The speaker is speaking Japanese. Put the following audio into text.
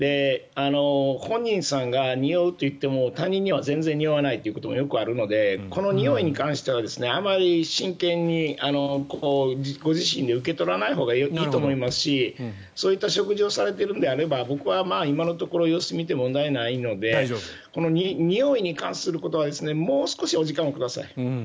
本人さんがにおうといっても他人は全然におわないということはよくあるのでこのにおいに関してはあまり真剣にご自身で受け取らないほうがいいと思いますしそういった食事をされているのであれば僕は今のところ様子を見て問題ないのでにおいに関することはもう少しお時間をください。